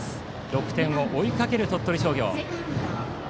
６点を追いかける鳥取商業。